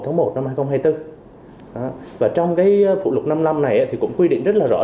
trong phụ lục năm mươi năm này cũng quy định rất rõ ràng tỷ lệ tài chế là bao nhiêu quy cách tài chế là như thế nào